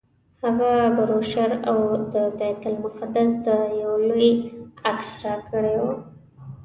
هغه بروشر او د بیت المقدس یو لوی عکس راکړی و.